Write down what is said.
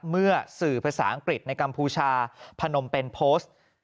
เมื่อสื่อภาษาอังกฤษในกัมพูชาพนมเป็นโพสต์